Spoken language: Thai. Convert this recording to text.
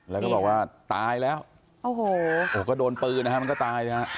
แล้วก็บอกว่าตายแล้วโอ้โหก็โดนปืนนะฮะมันก็ตายนะฮะ